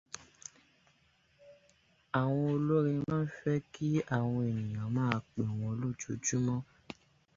Àwọn olórin maa n fẹ́ kí àwọn ènìyàn máa pè wọ́n lójoojúmọ́.